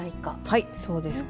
はいそうです。